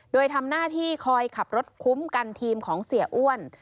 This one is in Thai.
โดยทำหน้าที่คอยขับรถคุ้มกันทีมของเสียอ้วน